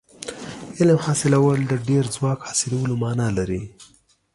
علم حاصلول د ډېر ځواک حاصلولو معنا لري.